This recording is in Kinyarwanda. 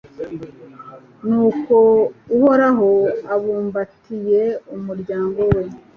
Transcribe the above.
ni ko Uhoraho abumbatiye umuryango we